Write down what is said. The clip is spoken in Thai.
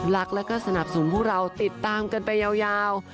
รักแล้วก็สนับสนุนพวกเราติดตามกันไปยาว